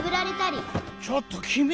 ちょっときみ！